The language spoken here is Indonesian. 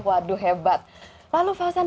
waduh hebat lalu fauzan